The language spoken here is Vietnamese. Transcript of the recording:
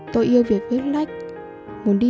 tôi yêu việc viết lách muốn đi